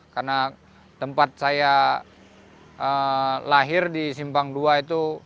karena tempat saya lahir di simpang dua itu